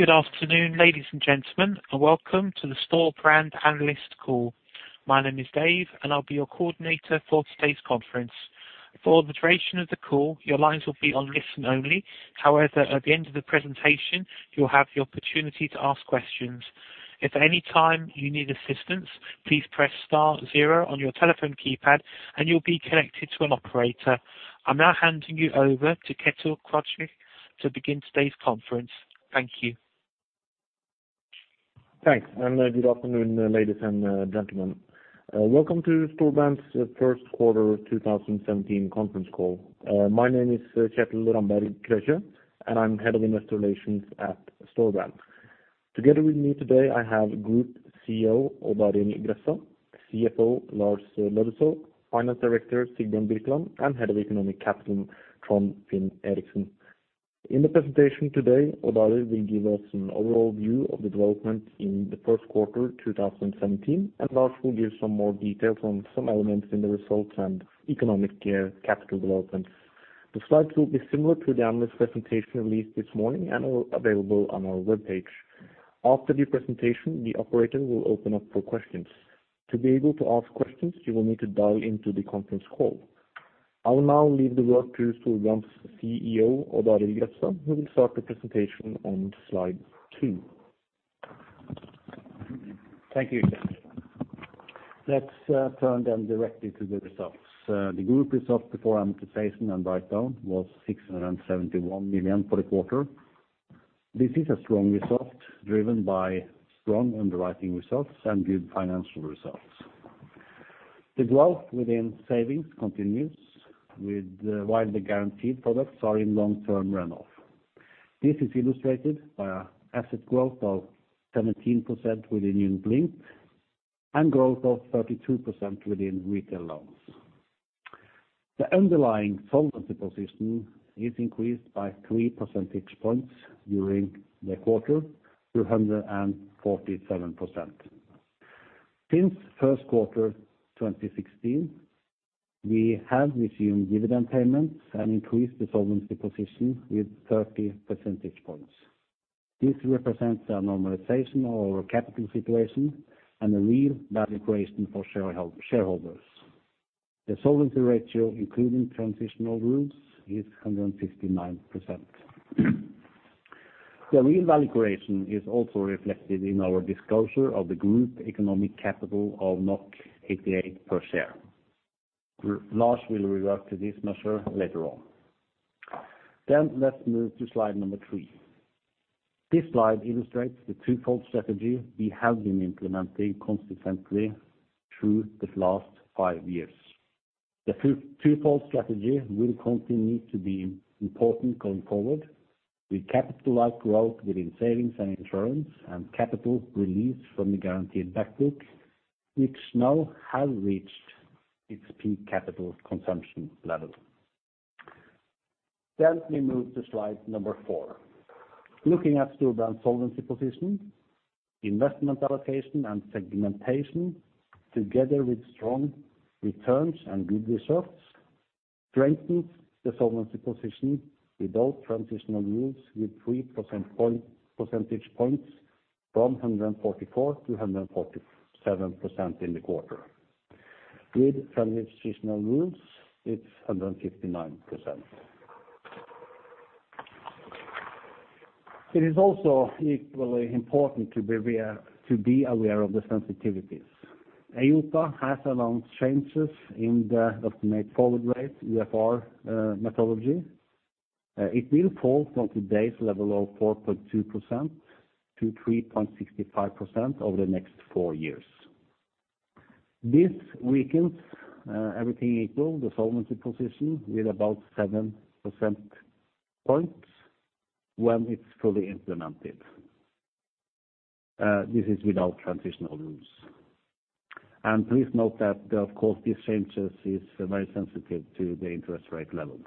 Good afternoon, ladies and gentlemen, and welcome to the Storebrand analyst call. My name is Dave, and I'll be your coordinator for today's conference. For the duration of the call, your lines will be on listen-only. However, at the end of the presentation, you'll have the opportunity to ask questions. If at any time you need assistance, please press star zero on your telephone keypad, and you'll be connected to an operator. I'm now handing you over to Kjetil Krøkje to begin today's conference. Thank you. Thanks, and, good afternoon, ladies and, gentlemen. Welcome to Storebrand's first quarter 2017 conference call. My name is Kjetil Ramberg Krøkje, and I'm head of Investor Relations at Storebrand. Together with me today, I have Group CEO Odd Arild Grefstad, CFO Lars Løddesøl, Finance Director Sigbjørn Birkeland, and Head of Economic Capital Trond Finn Eriksen. In the presentation today, Odd Arild will give us an overall view of the development in the first quarter 2017, and Lars will give some more details on some elements in the results and economic capital development. The slides will be similar to the analyst presentation released this morning and are available on our web page. After the presentation, the operator will open up for questions. To be able to ask questions, you will need to dial into the conference call. I will now leave the work to Storebrand's CEO, Odd Arild Grefstad, who will start the presentation on slide 2. Thank you, Kjetil. Let's turn then directly to the results. The group result before amortization and write-down was 671 million for the quarter. This is a strong result, driven by strong underwriting results and good financial results. The growth within savings continues, with widely guaranteed products are in long-term run-off. This is illustrated by a asset growth of 17% within Unit Linked and growth of 32% within retail loans. The underlying solvency position is increased by three percentage points during the quarter to 147%. Since first quarter 2016, we have resumed dividend payments and increased the solvency position with thirty percentage points. This represents a normalization of our capital situation and a real value creation for shareholders. The solvency ratio, including transitional rules, is 159%. The real value creation is also reflected in our disclosure of the group economic capital of 88 per share. Lars will revert to this measure later on. Then let's move to slide number 3. This slide illustrates the twofold strategy we have been implementing consistently through the last 5 years. The twofold strategy will continue to be important going forward, with capital-light growth within savings and insurance, and capital release from the guaranteed back book, which now has reached its peak capital consumption level. Then we move to slide number 4. Looking at Storebrand's solvency position, investment allocation and segmentation, together with strong returns and good results, strengthens the solvency position without transitional rules, with 3 percentage points from 144% to 147% in the quarter. With transitional rules, it's 159%. It is also equally important to be aware, to be aware of the sensitivities. EIOPA has announced changes in the ultimate forward rate, UFR, methodology. It will fall from today's level of 4.2% to 3.65% over the next four years. This weakens, everything equal, the solvency position with about 7 percentage points when it's fully implemented. This is without transitional rules. And please note that, of course, these changes is very sensitive to the interest rate levels.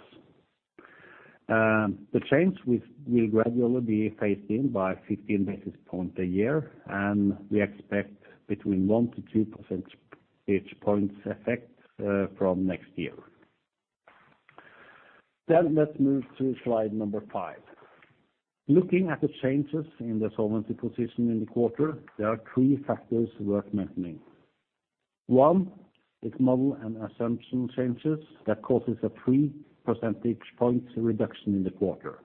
The change will gradually be phased in by 15 basis points a year, and we expect between 1-2 percentage points effect from next year. Then let's move to slide number 5. Looking at the changes in the solvency position in the quarter, there are three factors worth mentioning. One, is model and assumption changes that causes a 3 percentage points reduction in the quarter.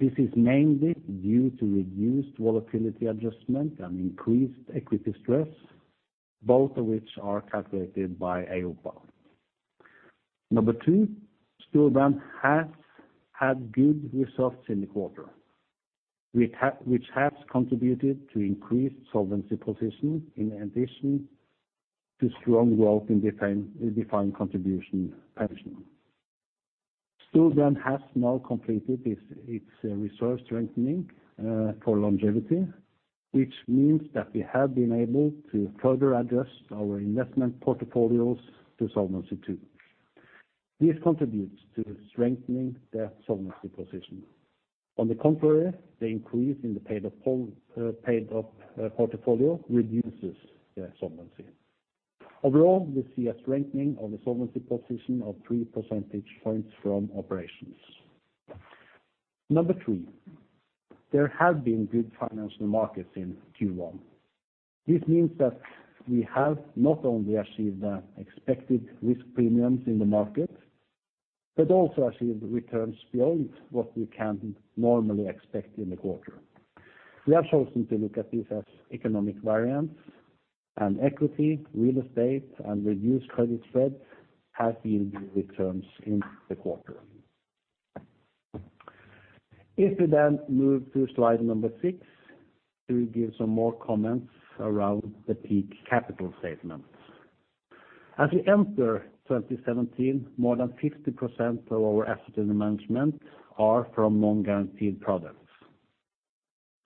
This is mainly due to reduced volatility adjustment and increased equity stress, both of which are calculated by EIOPA. Two, Storebrand has had good results in the quarter, which has contributed to increased solvency position in addition to strong growth in defined contribution pension. Storebrand has now completed its reserve strengthening for longevity, which means that we have been able to further adjust our investment portfolios to Solvency II. This contributes to strengthening the solvency position. On the contrary, the increase in the paid up portfolio reduces the solvency. Overall, we see a strengthening of the solvency position of 3 percentage points from operations. Three, there have been good financial markets in Q1. This means that we have not only achieved the expected risk premiums in the market, but also achieved returns beyond what we can normally expect in the quarter. We have chosen to look at this as economic variance, and equity, real estate, and reduced credit spread have yielded returns in the quarter. If we then move to slide number 6, to give some more comments around the peak capital statement. As we enter 2017, more than 50% of our assets in management are from non-guaranteed products.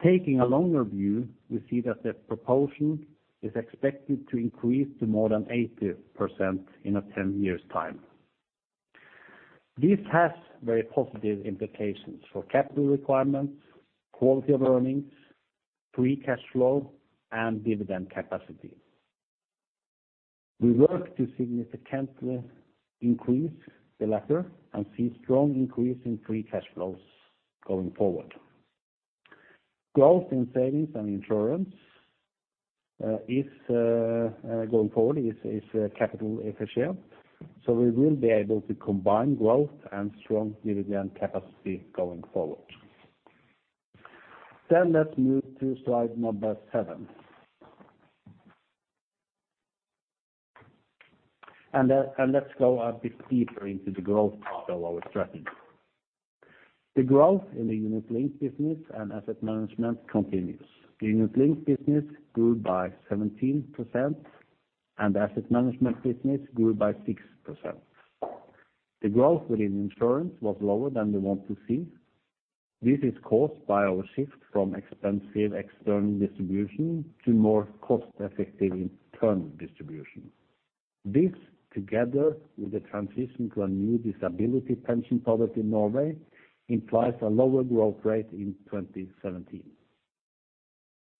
Taking a longer view, we see that the proportion is expected to increase to more than 80% in a 10 years time. This has very positive implications for capital requirements, quality of earnings, free cash flow, and dividend capacity. We work to significantly increase the latter and see strong increase in free cash flows going forward. Growth in savings and insurance going forward is capital efficient, so we will be able to combine growth and strong dividend capacity going forward. Then let's move to slide number 7. And let's go a bit deeper into the growth part of our strategy. The growth in the unit-linked business and asset management continues. The unit-linked business grew by 17%, and the asset management business grew by 6%. The growth within insurance was lower than we want to see. This is caused by our shift from expensive external distribution to more cost-effective internal distribution. This, together with the transition to a new disability pension product in Norway, implies a lower growth rate in 2017.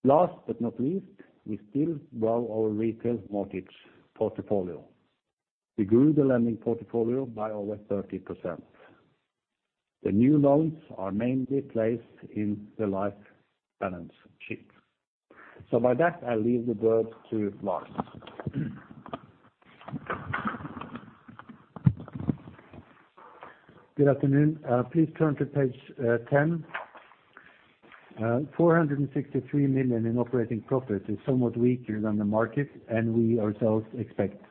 Last but not least, we still grow our retail mortgage portfolio. We grew the lending portfolio by over 30%. The new loans are mainly placed in the life balance sheet. With that, I leave the word to Lars. Good afternoon. Please turn to page 10. 463 million in operating profit is somewhat weaker than the market, and we ourselves expect.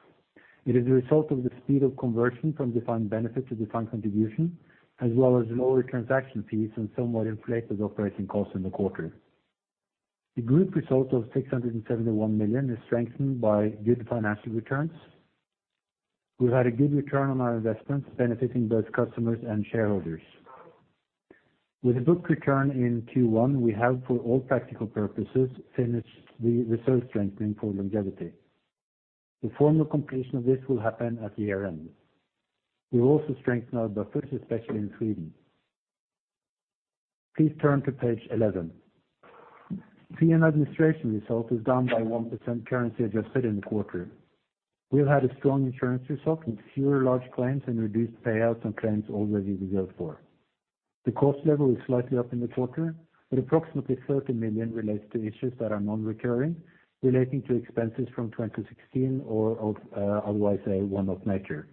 It is a result of the speed of conversion from defined benefit to defined contribution, as well as lower transaction fees and somewhat inflated operating costs in the quarter. The group result of 671 million is strengthened by good financial returns. We've had a good return on our investments, benefiting both customers and shareholders. With a book return in Q1, we have, for all practical purposes, finished the reserve strengthening for longevity. The formal completion of this will happen at year-end. We will also strengthen our buffers, especially in Sweden. Please turn to page 11. Fee and administration result is down by 1% currency adjusted in the quarter. We've had a strong insurance result with fewer large claims and reduced payouts on claims already reserved for. The cost level is slightly up in the quarter, but approximately 30 million relates to issues that are non-recurring, relating to expenses from 2016 or of, otherwise, a one-off nature.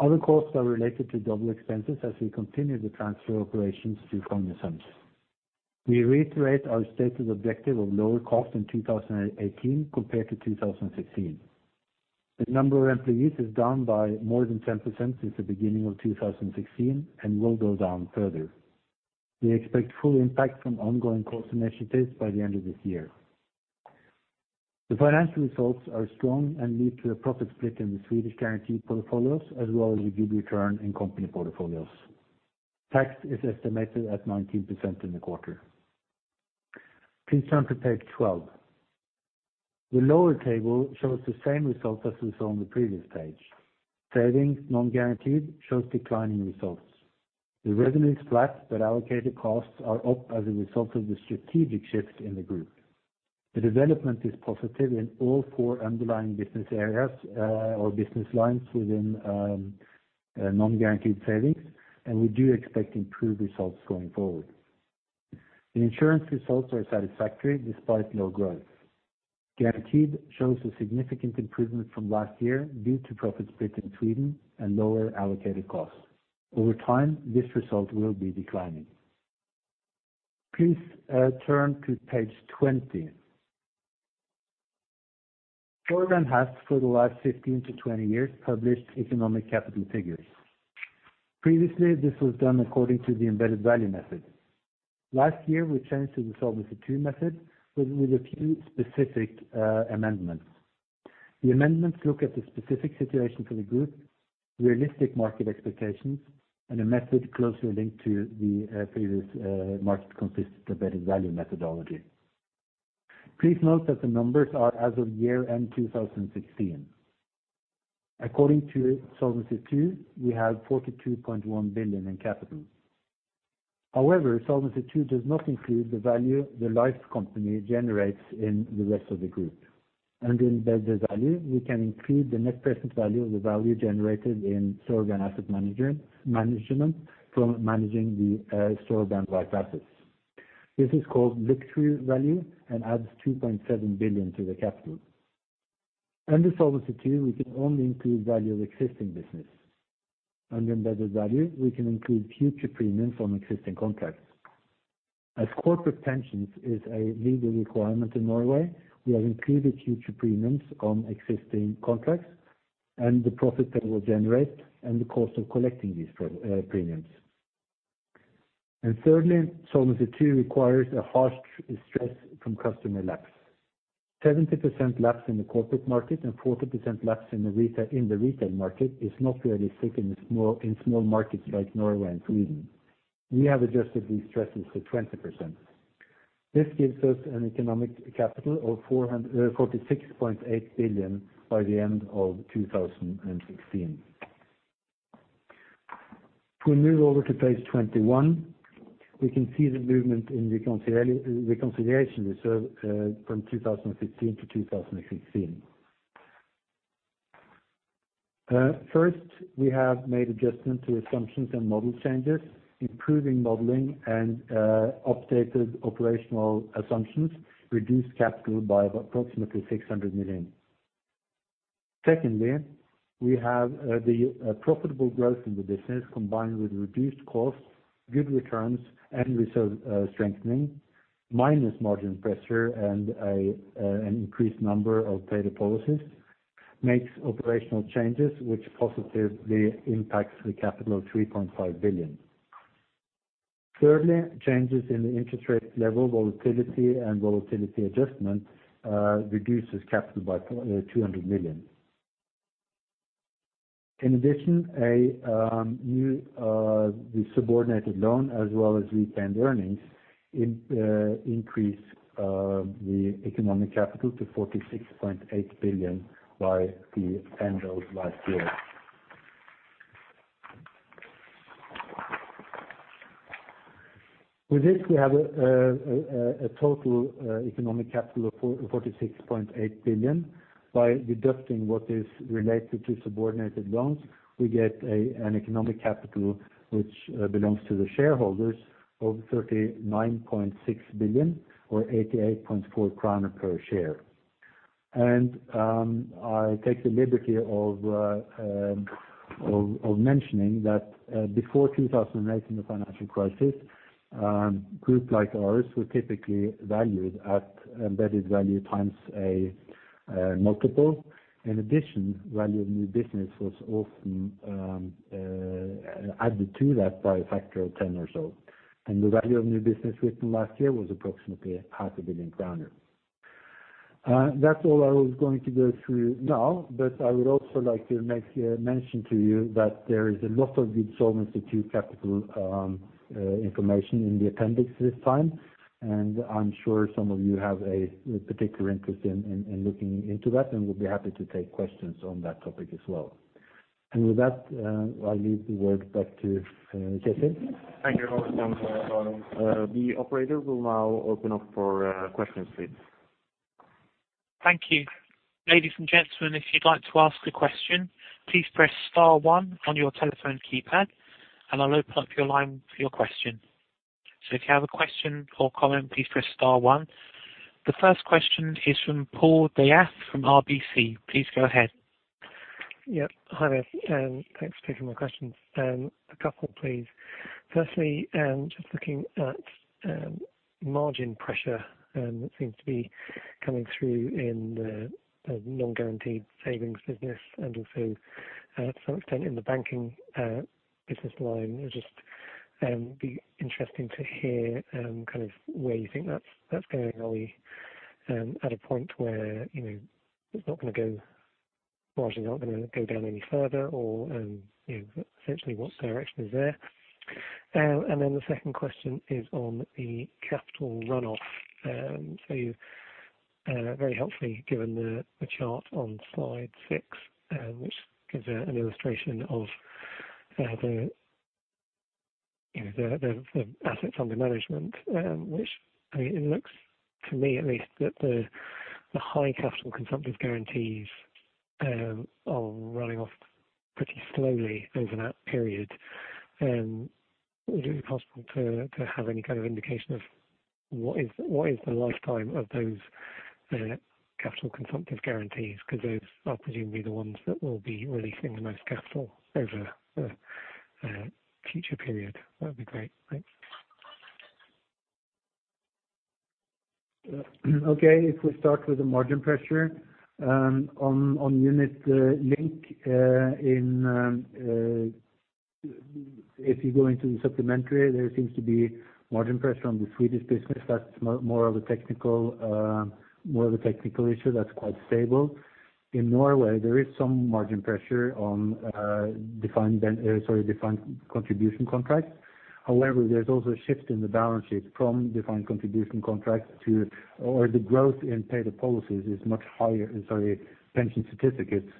Other costs are related to double expenses as we continue the transfer operations to Cognizant's Lysaker. We reiterate our stated objective of lower costs in 2018 compared to 2016. The number of employees is down by more than 10% since the beginning of 2016 and will go down further. We expect full impact from ongoing cost initiatives by the end of this year. The financial results are strong and lead to a profit split in the Swedish guaranteed portfolios, as well as a good return in company portfolios. Tax is estimated at 19% in the quarter. Please turn to page 12. The lower table shows the same result as we saw on the previous page. Savings, non-guaranteed, shows declining results. The revenue is flat, but allocated costs are up as a result of the strategic shift in the group. The development is positive in all four underlying business areas, or business lines within, non-guaranteed savings, and we do expect improved results going forward. The insurance results are satisfactory despite low growth. Guaranteed shows a significant improvement from last year due to profit split in Sweden and lower allocated costs. Over time, this result will be declining. Please, turn to page 20. Storebrand has, for the last 15-20 years, published economic capital figures. Previously, this was done according to the embedded value method. Last year, we changed to the Solvency II method, with, with a few specific, amendments. The amendments look at the specific situation for the group, realistic market expectations, and a method closely linked to the, previous, market consistent embedded value methodology. Please note that the numbers are as of year-end 2016. According to Solvency II, we have 42.1 billion in capital. However, Solvency II does not include the value the life company generates in the rest of the group. Under embedded value, we can include the net present value of the value generated in Storebrand Asset Management from managing the, Storebrand life assets. This is called Victory Value and adds 2.7 billion to the capital. Under Solvency II, we can only include value of existing business. Under embedded value, we can include future premiums on existing contracts. As corporate pensions is a legal requirement in Norway, we have included future premiums on existing contracts and the profit that will generate and the cost of collecting these premiums. And thirdly, Solvency II requires a harsh stress from customer lapse. 70% lapse in the corporate market and 40% lapse in the retail, in the retail market is not really realistic in the small, in small markets like Norway and Sweden. We have adjusted these stresses to 20%. This gives us an economic capital of 446.8 billion by the end of 2016. If we move over to page 21, we can see the movement in reconciliation reserve from 2015 to 2016. First, we have made adjustment to assumptions and model changes, improving modeling and updated operational assumptions, reduced capital by approximately 600 million. Secondly, we have the profitable growth in the business, combined with reduced costs, good returns, and reserve strengthening, minus margin pressure and an increased number of paid policies, makes operational changes, which positively impacts the capital of 3.5 billion. Thirdly, changes in the interest rate level, volatility and volatility adjustment reduces capital by 200 million. In addition, a new subordinated loan, as well as retained earnings, increase the economic capital to 46.8 billion by the end of last year. With this, we have a total economic capital of 46.8 billion. By deducting what is related to subordinated loans, we get an economic capital, which belongs to the shareholders of 39.6 billion or 88.4 kroner per share. I take the liberty of mentioning that before 2008, in the financial crisis, groups like ours were typically valued at embedded value times a multiple. In addition, value of new business was often added to that by a factor of 10 or so. The value of new business written last year was approximately NOK 500 million. That's all I was going to go through now, but I would also like to make mention to you that there is a lot of good Solvency II capital information in the appendix this time, and I'm sure some of you have a particular interest in looking into that, and we'll be happy to take questions on that topic as well. And with that, I leave the word back to Kjetil. Thank you very much, the operator will now open up for questions, please. Thank you. Ladies and gentlemen, if you'd like to ask a question, please press star one on your telephone keypad, and I'll open up your line for your question. So if you have a question or comment, please press star one. The first question is from Paul De'Ath from RBC. Please go ahead. Yep. Hi there, thanks for taking my questions. A couple, please. Firstly, just looking at margin pressure that seems to be coming through in the non-guaranteed savings business and also, to some extent in the banking business line. It'd just be interesting to hear kind of where you think that's going, are we at a point where, you know, it's not gonna go, margins are not gonna go down any further, or, you know, essentially what direction is there? And then the second question is on the capital runoff. So you've very helpfully given a chart on slide 6, which gives an illustration of the, you know, the assets under management, which, I mean, it looks to me at least that the high capital consumptive guarantees are running off pretty slowly over that period. Would it be possible to have any kind of indication of what is the lifetime of those capital consumptive guarantees? Because those are presumably the ones that will be releasing the most capital over the future period. That'd be great. Thanks. Okay, if we start with the margin pressure on unit-linked, if you go into the supplementary, there seems to be margin pressure on the Swedish business. That's more of a technical issue that's quite stable. In Norway, there is some margin pressure on defined contribution contracts. However, there's also a shift in the balance sheet from defined contribution contracts to, or the growth in paid-up policies is much higher, sorry, pension certificates,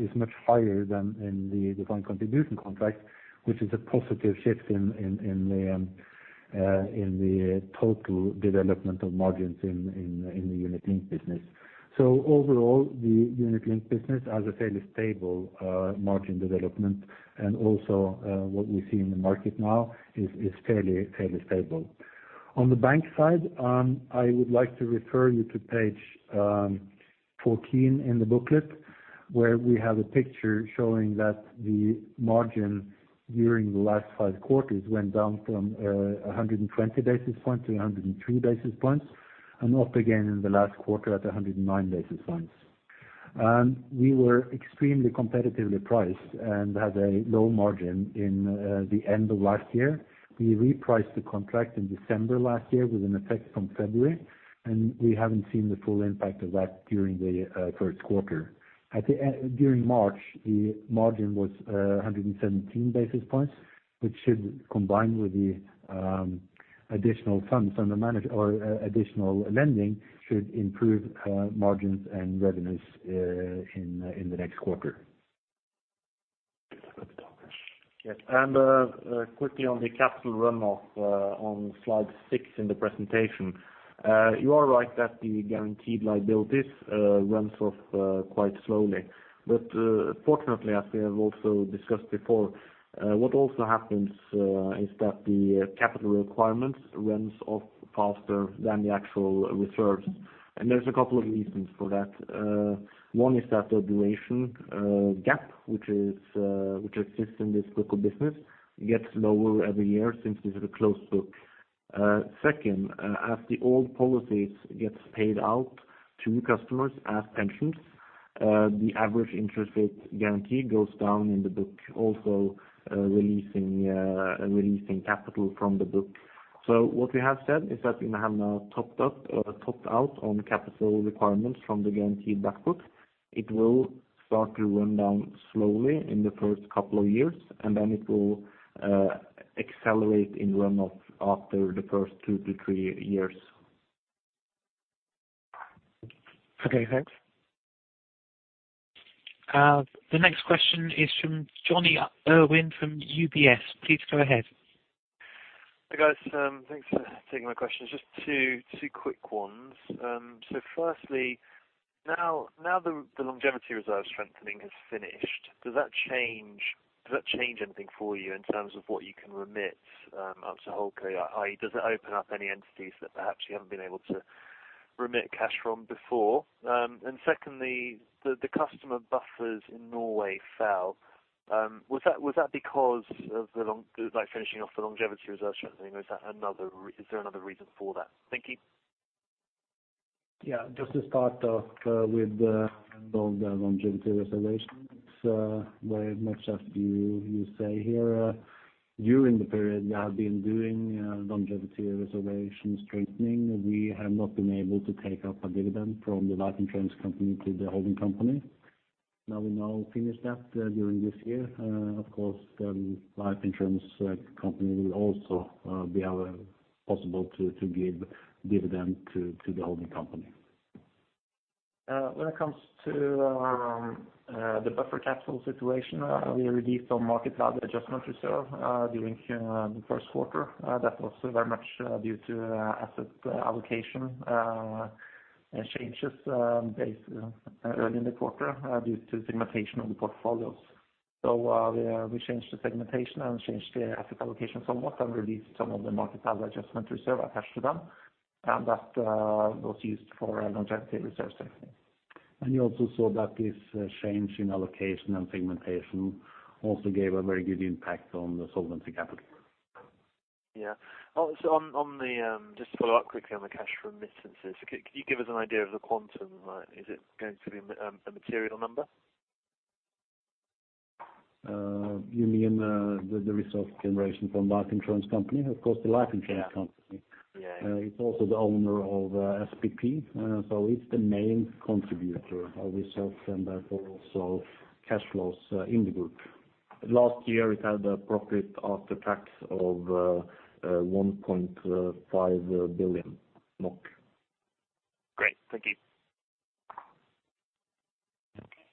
is much higher than in the defined contribution contracts, which is a positive shift in the total development of margins in the unit-linked business. So overall, the unit-linked business has a fairly stable margin development, and also what we see in the market now is fairly, fairly stable. On the bank side, I would like to refer you to page 14 in the booklet, where we have a picture showing that the margin during the last five quarters went down from 120 basis points to 103 basis points, and up again in the last quarter at 109 basis points. We were extremely competitively priced and had a low margin in the end of last year. We repriced the contract in December last year with an effect from February, and we haven't seen the full impact of that during the first quarter. At the end, during March, the margin was 117 basis points, which should combine with the additional funds under management or additional lending should improve margins and revenues in the next quarter. Yes, and, quickly on the capital run-off, on slide six in the presentation. You are right that the guaranteed liabilities runs off quite slowly. But, fortunately, as we have also discussed before, what also happens is that the capital requirements runs off faster than the actual reserves. And there's a couple of reasons for that. One is that the duration gap, which exists in this book of business, gets lower every year since this is a closed book. Second, as the old policies gets paid out to customers as pensions, the average interest rate guarantee goes down in the book, also, releasing releasing capital from the book. So what we have said is that we have now topped up, topped out on capital requirements from the guaranteed back book. It will start to run down slowly in the first couple of years, and then it will accelerate in run-off after the first 2-3 years. Okay, thanks. The next question is from Jonny Urwin from UBS. Please go ahead. Hi, guys. Thanks for taking my questions. Just two, two quick ones. Firstly, now the longevity reserve strengthening has finished, does that change anything for you in terms of what you can remit up to HoldCo? Does it open up any entities that perhaps you haven't been able to remit cash from before? Secondly, the customer buffers in Norway fell. Was that because of the long, like, finishing off the longevity reserve strengthening, or is that another reason for that? Thank you. Yeah, just to start off with the longevity reserve strengthening, very much as you say here, during the period we have been doing longevity reserve strengthening, we have not been able to take up a dividend from the life insurance company to the holding company. Now, we finish that during this year. Of course, the life insurance company will also be possible to give dividend to the holding company. When it comes to the Buffer Capital situation, we released on market value adjustment reserve during the first quarter. That was very much due to asset allocation and changes based early in the quarter due to segmentation of the portfolios. So, we changed the segmentation and changed the asset allocation somewhat and released some of the market value adjustment reserve attached to them, and that was used for Longevity Reserve Strengthening. You also saw that this change in allocation and segmentation also gave a very good impact on the solvency capital. Yeah. Also, on the, just to follow up quickly on the cash remittances, can you give us an idea of the quantum? Like, is it going to be, a material number? You mean the resource generation from life insurance company? Of course, the life insurance company. Yeah. It's also the owner of SPP, so it's the main contributor of resources and therefore also cash flows in the group. Last year, it had a profit after tax of 1.5 billion. Great. Thank you.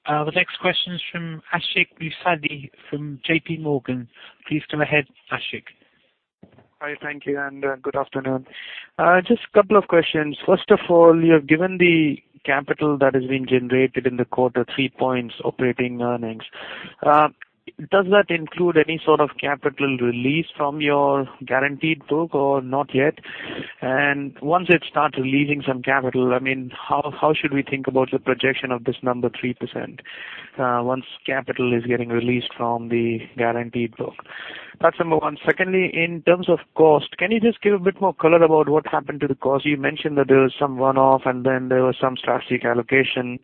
The next question is from Ashik Musaddi from JPMorgan. Please go ahead, Ashik. Hi, thank you, and, good afternoon. Just a couple of questions. First of all, you have given the capital that has been generated in the quarter, 3 points, operating earnings. Does that include any sort of capital release from your guaranteed book or not yet? And once it starts releasing some capital, I mean, how should we think about the projection of this number, 3%, once capital is getting released from the guaranteed book? That's number one. Secondly, in terms of cost, can you just give a bit more color about what happened to the cost? You mentioned that there was some one-off, and then there was some strategic allocation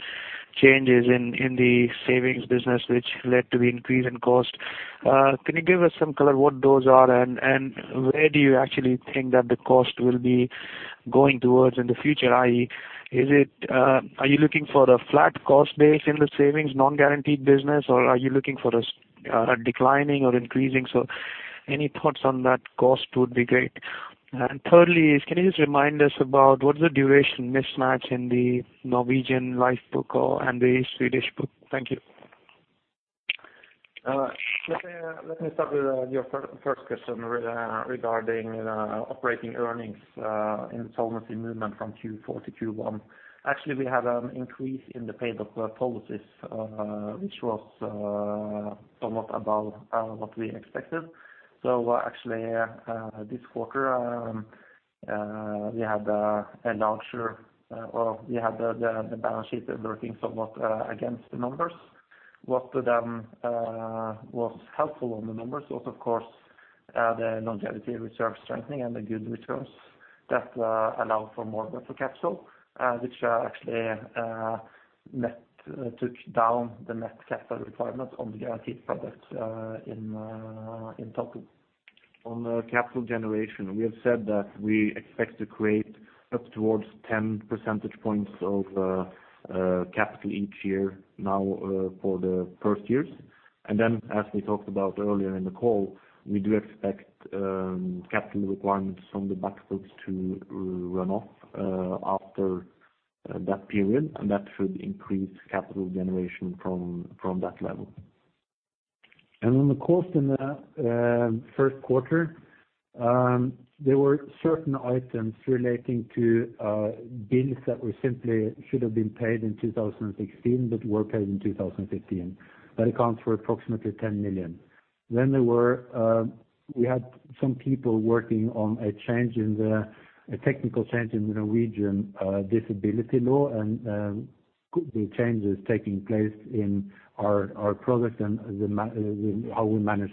changes in the savings business, which led to the increase in cost. Can you give us some color, what those are, and, and where do you actually think that the cost will be going towards in the future, i.e., are you looking for a flat cost base in the savings, non-guaranteed business, or are you looking for a declining or increasing? So any thoughts on that cost would be great. And thirdly, can you just remind us about what is the duration mismatch in the Norwegian life book or, and the Swedish book? Thank you. Let me start with your first question regarding operating earnings in solvency movement from Q4 to Q1. Actually, we had an increase in the paid-up policies, which was somewhat above what we expected. So actually, this quarter, we had a larger, or we had the balance sheet working somewhat against the numbers. What was helpful on the numbers was, of course, the longevity reserve strengthening and the good returns that allow for more buffer capital, which actually net took down the net capital requirement on the guaranteed products, in total. On the capital generation, we have said that we expect to create up towards 10 percentage points of capital each year now for the first years. And then, as we talked about earlier in the call, we do expect capital requirements from the backlogs to run off after that period, and that should increase capital generation from that level. And on the cost in the first quarter, there were certain items relating to bills that were simply should have been paid in 2016, but were paid in 2015. That accounts for approximately 10 million. Then there were we had some people working on a change in the... A technical change in the Norwegian disability law, and the changes taking place in our product and how we manage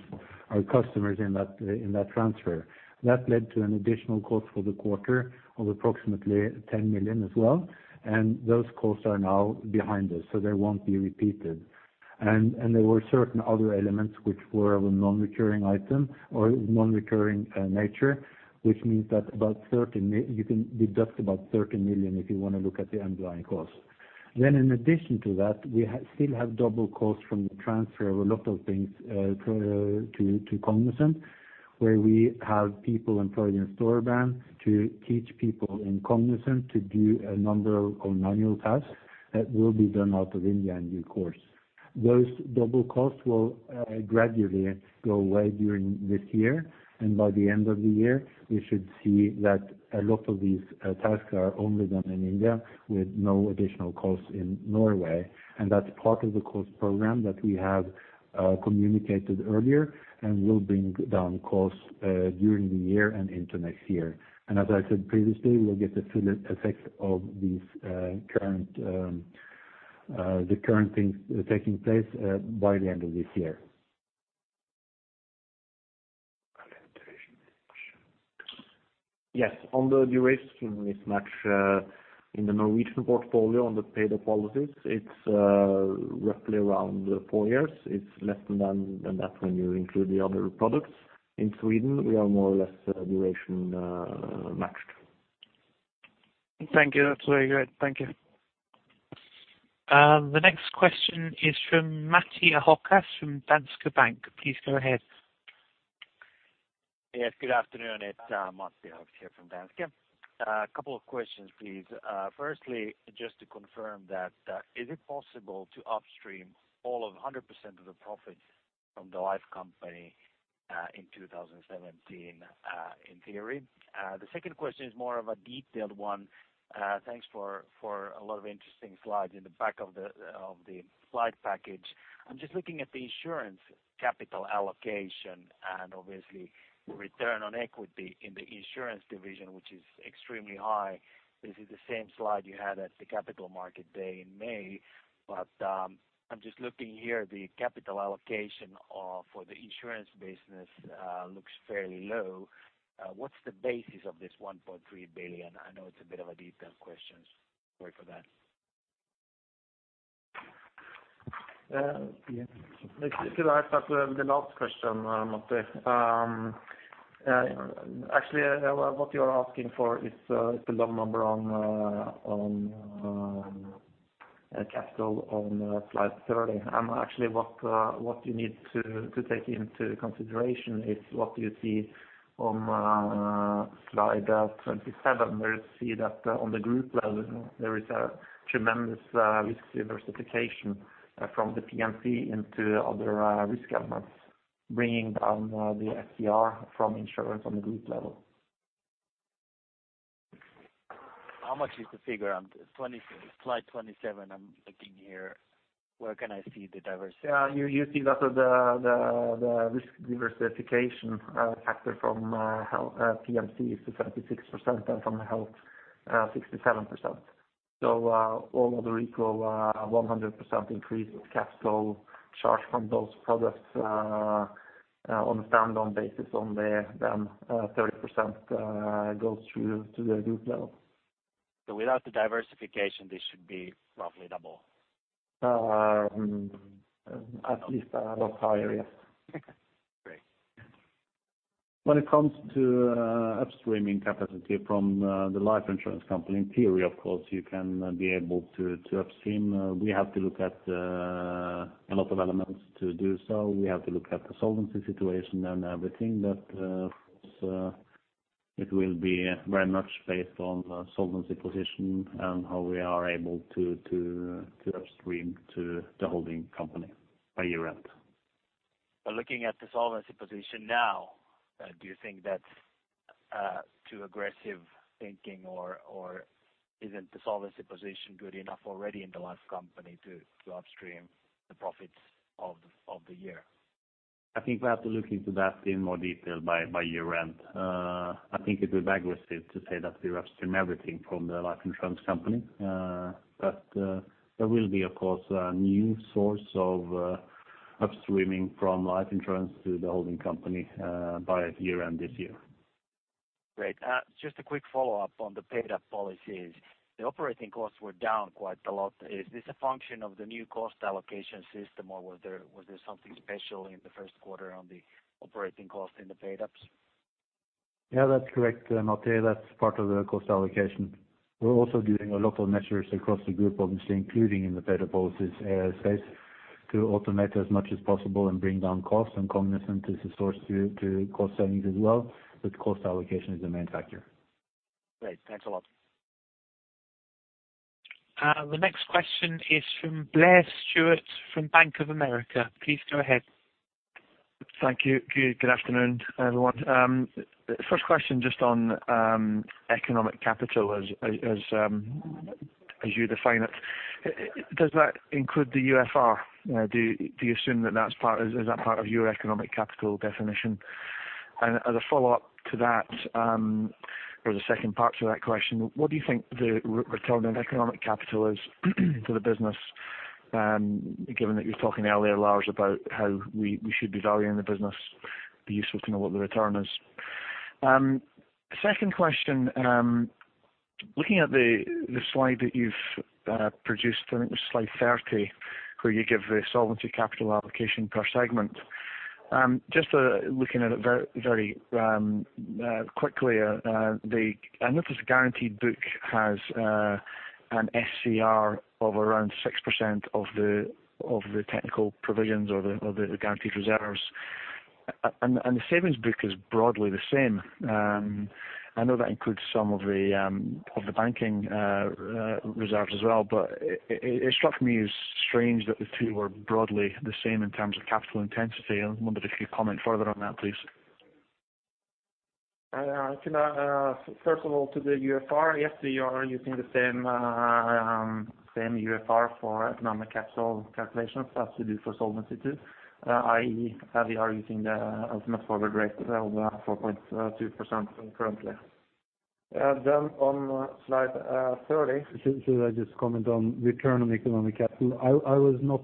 our customers in that transfer. That led to an additional cost for the quarter of approximately 10 million as well, and those costs are now behind us, so they won't be repeated. And there were certain other elements which were of a non-recurring item or non-recurring nature, which means that you can deduct about 30 million if you want to look at the underlying costs. Then in addition to that, we still have double costs from the transfer of a lot of things to Cognizant, where we have people employed in Storebrand to teach people in Cognizant to do a number of manual tasks that will be done out of India in due course. Those double costs will gradually go away during this year, and by the end of the year, we should see that a lot of these tasks are only done in India with no additional costs in Norway. That's part of the cost program that we have communicated earlier and will bring down costs during the year and into next year. As I said previously, we'll get the full effect of these, the current things taking place by the end of this year. Yes, on the duration mismatch in the Norwegian portfolio, on the paid-up policies, it's roughly around four years. It's less than that when you include the other products. In Sweden, we are more or less duration matched. Thank you. That's very great. Thank you. The next question is from Matti Ahokas from Danske Bank. Please go ahead. Yes, good afternoon. It's Matti Ahokas here from Danske. A couple of questions, please. Firstly, just to confirm that, is it possible to upstream all of 100% of the profit from the life company, in 2017, in theory? The second question is more of a detailed one. Thanks for a lot of interesting slides in the back of the slide package. I'm just looking at the insurance capital allocation and obviously return on equity in the insurance division, which is extremely high. This is the same slide you had at the Capital Market Day in May, but, I'm just looking here, the capital allocation for the insurance business looks fairly low. What's the basis of this 1.3 billion? I know it's a bit of a detailed question. Sorry for that. Yeah, could I start with the last question, Matti? Actually, what you are asking for is the low number on capital on slide 30. And actually, what you need to take into consideration is what you see on slide 27, where you see that on the group level, there is a tremendous risk diversification from the P&C into other risk elements, bringing down the SCR from insurance on the group level. How much is the figure on 20, slide 27? I'm looking here. Where can I see the diversity? Yeah, you see that the risk diversification factor from health P&C is 36% and from the health 67%. So, all other equal, 100% increase of capital charge from those products, on a stand-alone basis on the 30%, goes through to the group level. Without the diversification, this should be roughly double? At least a lot higher, yes. Great. When it comes to upstreaming capacity from the life insurance company, in theory, of course, you can be able to upstream. We have to look at a lot of elements to do so. We have to look at the solvency situation and everything, but it will be very much based on the solvency position and how we are able to upstream to the holding company by year-end. But looking at the solvency position now, do you think that's too aggressive thinking, or isn't the solvency position good enough already in the last company to upstream the profits of the year? I think we have to look into that in more detail by year-end. I think it is aggressive to say that we upstream everything from the life insurance company. But, there will be, of course, a new source of, upstreaming from life insurance to the holding company, by year-end this year. Great. Just a quick follow-up on the paid up policies. The operating costs were down quite a lot. Is this a function of the new cost allocation system, or was there something special in the first quarter on the operating cost in the paid ups? Yeah, that's correct, Mateo, that's part of the cost allocation. We're also doing a lot of measures across the group, obviously, including in the paid-up policies space, to automate as much as possible and bring down costs. Cognizant is a source to cost savings as well, but cost allocation is the main factor. Great, thanks a lot. The next question is from Blair Stewart, from Bank of America. Please go ahead. Thank you. Good afternoon, everyone. First question, just on economic capital as you define it. Does that include the UFR? Do you assume that that's part... Is that part of your economic capital definition? And as a follow-up to that, or the second part to that question: What do you think the return on economic capital is to the business, given that you were talking earlier, Lars, about how we should be valuing the business? Be useful to know what the return is. Second question, looking at the slide that you've produced, I think it was slide 30, where you give the solvency capital allocation per segment. Just looking at it very quickly, I notice the guaranteed book has an SCR of around 6% of the technical provisions or the guaranteed reserves. The savings book is broadly the same. I know that includes some of the banking reserves as well, but it struck me as strange that the two were broadly the same in terms of capital intensity. I wondered if you'd comment further on that, please. First of all, to the UFR, yes, we are using the same UFR for economic capital calculations as we do for Solvency II. i.e., we are using the ultimate forward rate of 4.2% currently. Then on slide 30- Should I just comment on return on economic capital? I was not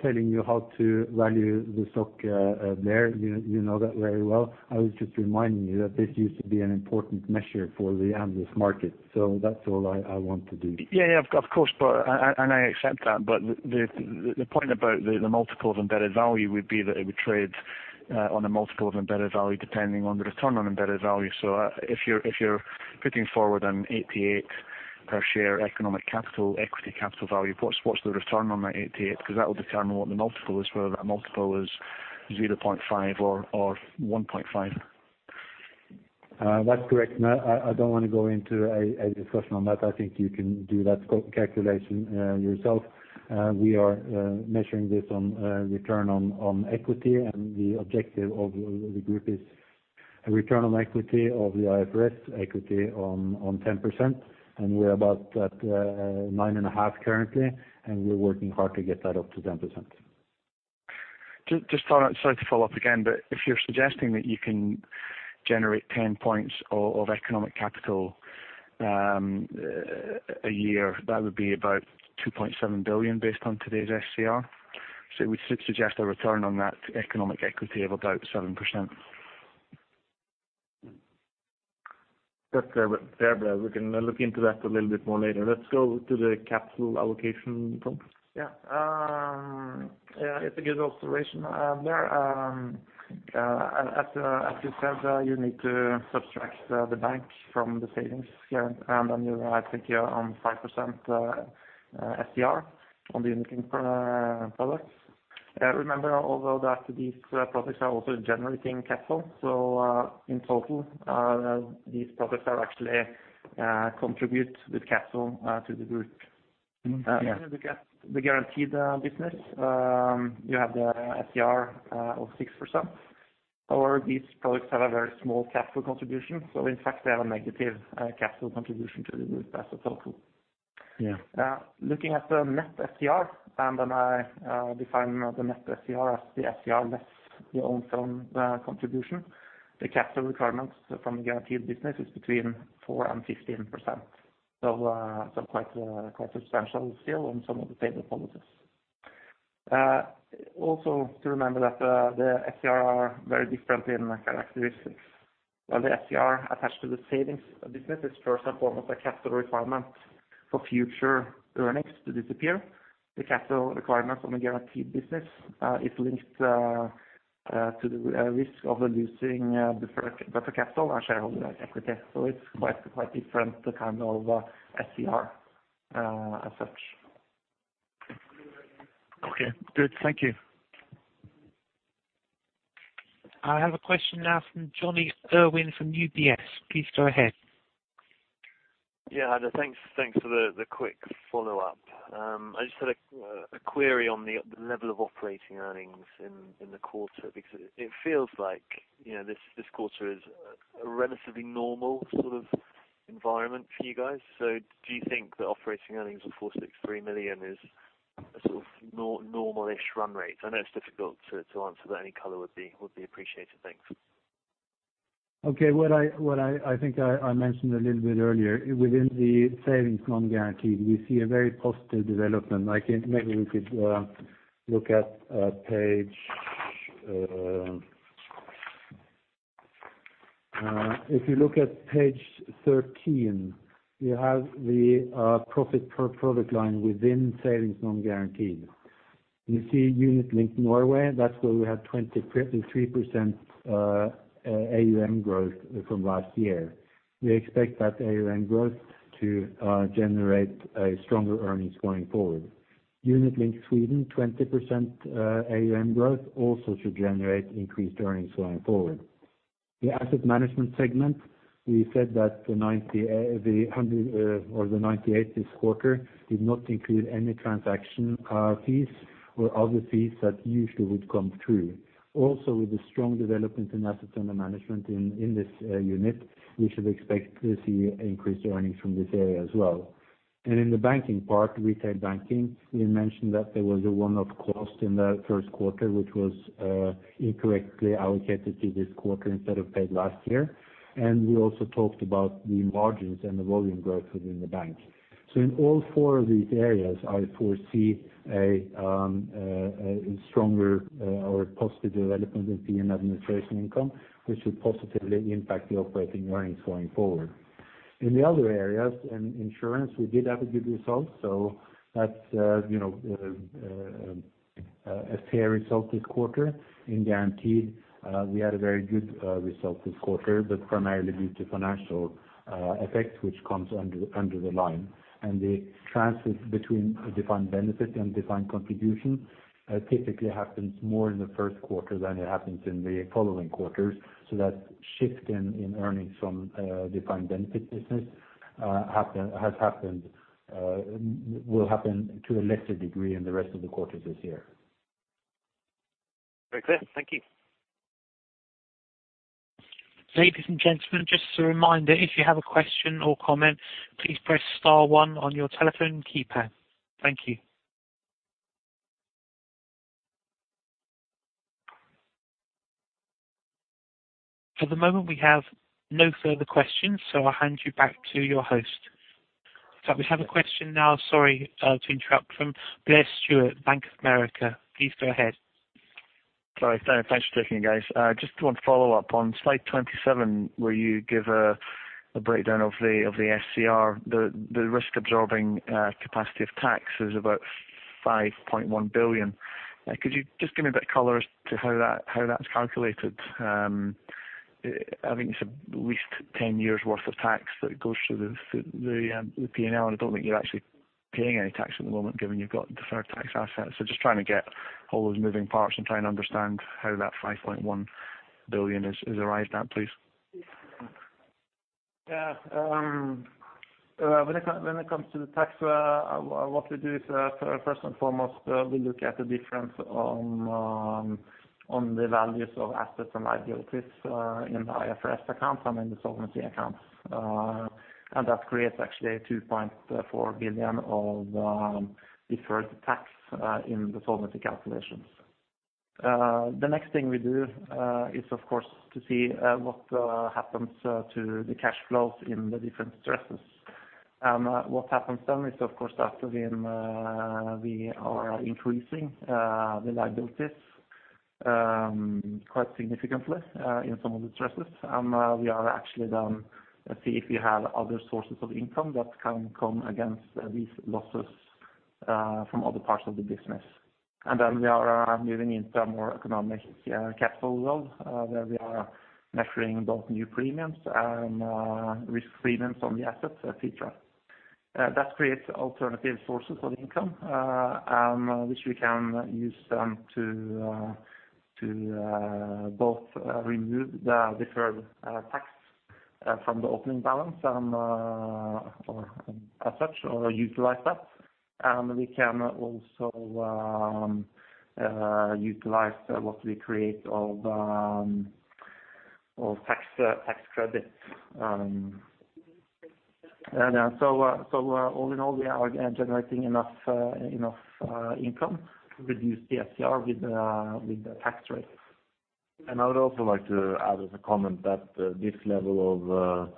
telling you how to value the stock there. You know that very well. I was just reminding you that this used to be an important measure for the analyst market, so that's all I want to do. Yeah, yeah, of course, but... And I accept that, but the point about the multiple of embedded value would be that it would trade on a multiple of embedded value, depending on the return on embedded value. So, if you're putting forward an 88 per share economic capital, equity capital value, what's the return on that 88? Because that will determine what the multiple is, whether that multiple is 0.5 or 1.5. That's correct. Now, I don't want to go into a discussion on that. I think you can do that calculation yourself. We are measuring this on return on equity, and the objective of the group is a return on equity of the IFRS equity on 10%, and we're about at 9.5% currently, and we're working hard to get that up to 10%. Just to follow up, sorry to follow up again, but if you're suggesting that you can generate 10 points of economic capital a year, that would be about 2.7 billion based on today's SCR. So it would suggest a return on that economic equity of about 7%. That's fair, but we can look into that a little bit more later. Let's go to the capital allocation point. Yeah, yeah, it's a good observation there. As, as you said, you need to subtract the bank from the savings, yeah, and then you're, I think you're on 5% SCR on the unit-linked products. Remember, although that these products are also generating capital, so, in total, these products are actually contribute with capital to the group. Mm-hmm. Looking at the guaranteed business, you have the SCR of 6%. However, these products have a very small capital contribution, so in fact, they have a negative capital contribution to the group as a total. Yeah. Looking at the net SCR, and then I define the net SCR as the SCR less the own funds contribution. The capital requirements from the guaranteed business is between 4% and 15%. So, quite substantial still on some of the paid-up policies. Also to remember that the SCR are very different in characteristics. While the SCR attached to the savings business is first and foremost a capital requirement for future earnings to disappear. The capital requirements on the guaranteed business is linked to the risk of losing deferred capital or shareholder equity. It's quite, quite different, the kind of SCR as such. Okay, good. Thank you. I have a question now from Jonny Urwin from UBS. Please go ahead. Yeah, thanks. Thanks for the quick follow-up. I just had a query on the level of operating earnings in the quarter, because it feels like, you know, this quarter is a relatively normal sort of environment for you guys. So do you think the operating earnings of 463 million is a sort of normal-ish run rate? I know it's difficult to answer, but any color would be appreciated. Thanks. Okay. What I think I mentioned a little bit earlier, within the savings non-guaranteed, we see a very positive development. Maybe we could look at page thirteen, you have the profit per product line within savings non-guaranteed. You see Unit Linked Norway, that's where we have 23% AUM growth from last year. We expect that AUM growth to generate a stronger earnings going forward. Unit Linked Sweden, 20% AUM growth, also should generate increased earnings going forward. The asset management segment, we said that the 90, the 100, or the 98 this quarter did not include any transaction fees or other fees that usually would come through. Also, with the strong development in assets under management in this unit, we should expect to see increased earnings from this area as well. And in the banking part, retail banking, we mentioned that there was a one-off cost in the first quarter, which was incorrectly allocated to this quarter instead of paid last year. And we also talked about the margins and the volume growth within the bank. So in all four of these areas, I foresee a stronger or positive development in fee and administration income, which will positively impact the operating earnings going forward. In the other areas, in insurance, we did have a good result, so that's you know a fair result this quarter. In guaranteed, we had a very good result this quarter, but primarily due to financial effects, which comes under the line. The transfers between defined benefit and defined contribution typically happens more in the first quarter than it happens in the following quarters. That shift in earnings from defined benefit business happen, has happened, will happen to a lesser degree in the rest of the quarters this year. Very clear. Thank you. Ladies and gentlemen, just a reminder, if you have a question or comment, please press star one on your telephone keypad. Thank you. For the moment, we have no further questions, so I'll hand you back to your host. So we have a question now, sorry, to interrupt, from Blair Stewart, Bank of America. Please go ahead. Sorry. Thanks for taking it, guys. Just one follow-up. On slide 27, where you give a breakdown of the SCR, the risk absorbing capacity of tax is about 5.1 billion. Could you just give me a bit of color as to how that's calculated? I think it's at least 10 years' worth of tax that goes through the P&L. I don't think you're actually paying any tax at the moment, given you've got deferred tax assets. So just trying to get all those moving parts and trying to understand how that 5.1 billion is arrived at, please. Yeah. When it comes to the tax, what we do is, first and foremost, we look at the difference on, on the values of assets and liabilities, in the IFRS accounts and in the solvency accounts. And that creates actually a 2.4 billion of deferred tax, in the solvency calculations. The next thing we do is, of course, to see what happens to the cash flows in the different stresses. And what happens then is, of course, after then, we are increasing the liabilities, quite significantly, in some of the stresses. And we are actually, let's see if we have other sources of income that can come against these losses, from other parts of the business. And then we are moving into a more economic capital world, where we are measuring both new premiums and risk premiums on the assets, et cetera. That creates alternative sources of income, and which we can use them to both remove the deferred tax from the opening balance and or as such, or utilize that. And we can also utilize what we create of of tax tax credits. And so all in all, we are generating enough enough income to reduce the SCR with with the tax rate. I would also like to add as a comment that this level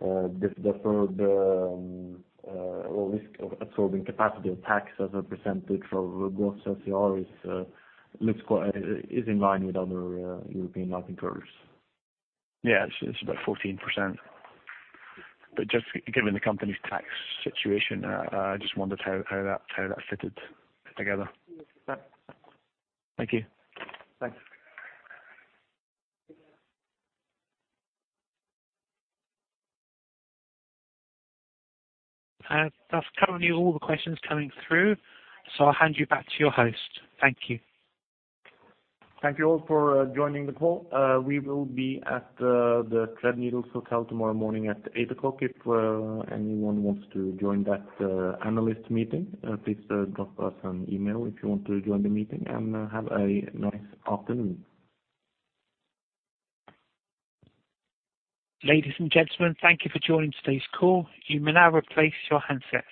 of deferred or risk absorbing capacity of tax as a percentage of both SCR is, looks quite—is in line with other European life insurers. Yeah, it's about 14%. But just given the company's tax situation, I just wondered how that fitted together. Yeah. Thank you. Thanks. That's currently all the questions coming through, so I'll hand you back to your host. Thank you. Thank you all for joining the call. We will be at the Threadneedle Hotel tomorrow morning at 8:00 A.M. If anyone wants to join that analyst meeting, please drop us an email if you want to join the meeting, and have a nice afternoon. Ladies and gentlemen, thank you for joining today's call. You may now replace your handsets.